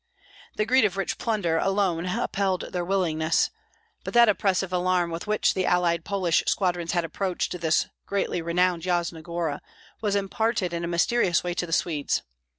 The greed of rich plunder alone upheld their willingness, but that oppressive alarm with which the allied Polish squadrons had approached this greatly renowned Yasna Gora was imparted in a mysterious way to the Swedes.